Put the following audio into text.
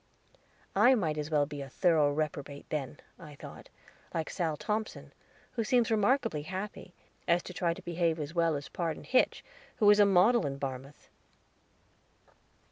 "I might as well be a thorough reprobate then," I thought, "like Sal Thompson, who seems remarkably happy, as to try to behave as well as Pardon Hitch, who is a model in Barmouth."